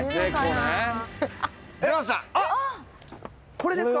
これですか。